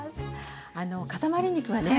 あのかたまり肉はね